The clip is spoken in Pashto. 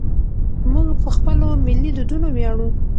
موږ په خپلو ملي دودونو ویاړو.